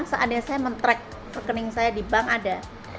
seandainya saya men track rekening saya di bank ada